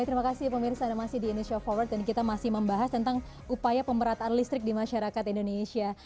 terima kasih pemirsa anda masih di indonesia forward dan kita masih membahas tentang upaya pemerataan listrik di masyarakat indonesia